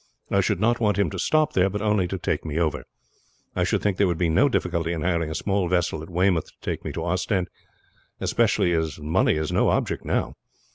I should not want him to stop there, but only to take me over. I should think there would be no difficulty in hiring a small vessel at Weymouth to take me to Ostend, especially as money is no object now.